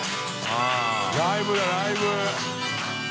ライブだライブ。